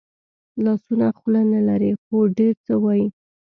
لاسونه خوله نه لري خو ډېر څه وايي